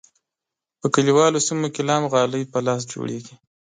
په کلیوالو سیمو کې لا هم غالۍ په لاس جوړیږي.